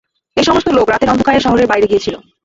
এ সমস্ত লোক রাতের অন্ধকারে শহরের বাইরে গিয়েছিল।